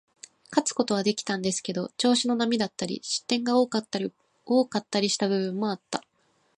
勝つことはできたんですけど、調子の波だったり、失点が多かったりした部分もあった。